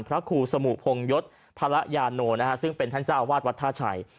พระครูสมุพงยศพระยาโนนะฮะซึ่งเป็นท่านเจ้าอาวาสวัดท่าชัย